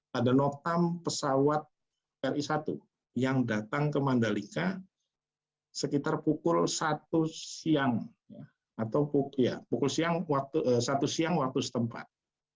pada notam pesawat ri satu yang datang ke mandalika sekitar pukul satu siang atau satu siang waktu setempat